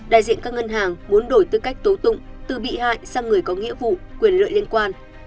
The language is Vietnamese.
đại diện các ngân hàng muốn đổi tư cách tố tụng từ bị hại sang người có nghĩa vụ quyền lợi liên quan